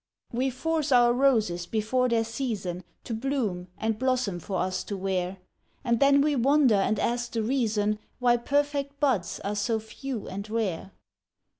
We force our roses, before their season, To bloom and blossom for us to wear; And then we wonder and ask the reason Why perfect buds are so few and rare.